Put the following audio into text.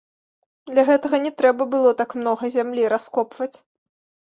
Для гэтага не трэба было так многа зямлі раскопваць.